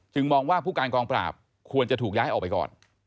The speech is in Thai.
มองว่าผู้การกองปราบควรจะถูกย้ายออกไปก่อน